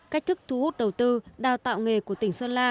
cách thức thu hút đầu tư đào tạo nghề của tỉnh sơn la